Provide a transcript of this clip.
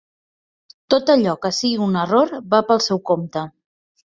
Tot allò que sigui un error, va pel seu compte.